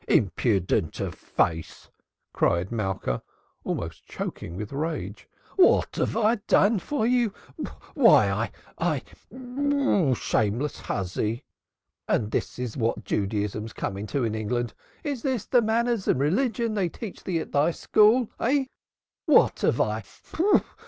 "Impudent of face!" cried Malka, almost choking with rage. "What have I done for you? Why why I I shameless hussy! And this is what Judaism's coming to in England! This is the manners and religion they teach thee at thy school, eh? What have I